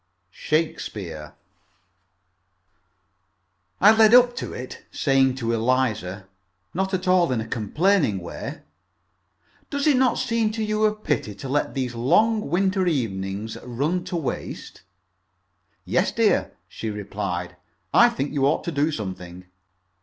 SHAKESPEARE I led up to it, saying to Eliza, not at all in a complaining way, "Does it not seem to you a pity to let these long winter evenings run to waste?" "Yes, dear," she replied; "I think you ought to do something."